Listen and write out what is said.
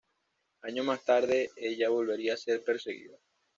Años más tarde ella volvería a ser perseguida.